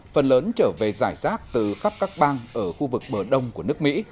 phần lớn trở về giải rác từ khắp các bang ở khu vực bờ đông của nước mỹ